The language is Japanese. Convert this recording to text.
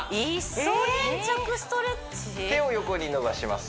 手を横に伸ばします